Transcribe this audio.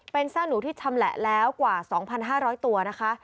เป็นซากหนูที่ชำแหละแล้วกว่า๒๕๐๐ตัวนะคะ